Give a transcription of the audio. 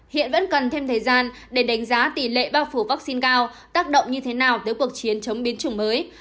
hiện vẫn cần thêm thời gian để đánh giá tỷ lệ bao phủ vaccine cao tác động như thế nào tới cuộc chiến chống biến chủng mới